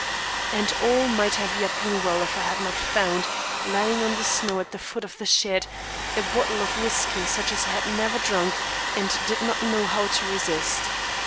And all might yet have been well if I had not found, lying on the snow at the foot of the shed, a bottle of whiskey such as I had never drunk and did not know how to resist.